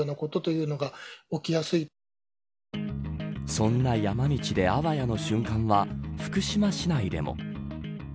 そんな山道であわやの瞬間は福島市内でも。